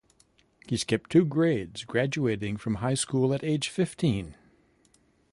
She skipped two grades, graduating from high school at age of fifteen.